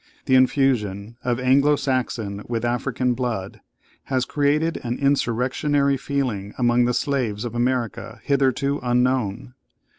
The infusion of Anglo Saxon with African blood has created an insurrectionary feeling among the slaves of America hitherto unknown.